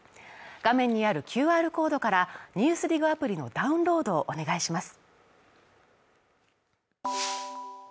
画面にあるＱＲコードから「ＮＥＷＳＤＩＧ」アプリのダウンロードをお願いします。